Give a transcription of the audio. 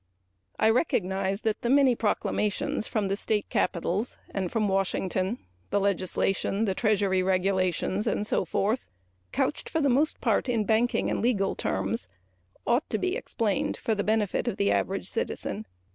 I recognize that the many proclamations from state capitols and from Washington, the legislation, the treasury regulations, etc., couched for the most part in banking and legal terms should be explained for the benefit of the average citizen.